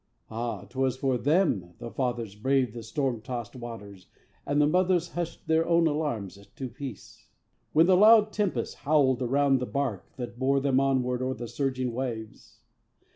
Ah! 'twas for them The fathers braved the storm tossed waters, and The mothers hushed their own alarms to peace, When the loud tempest howled around the bark That bore them onward o'er the surging waves.